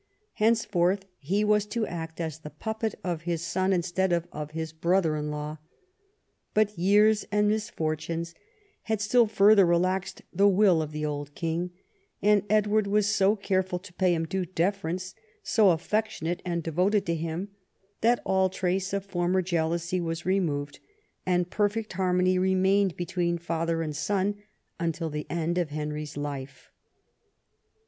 Henceforth he was to act as the puppet of his son instead of his brother in law. But years and misfortunes had still further relaxed the will of the old king, and Edward was so careful to pay him due deference, so affectionate and devoted to him, that all trace of former jealousy was removed, and perfect harmony remained l^etween father and son until the end of Henry's life.